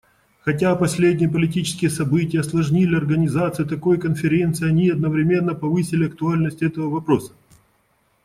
Хотя последние политические события осложнили организацию такой конференции, они одновременно повысили актуальность этого вопроса.